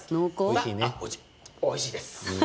おいしいです。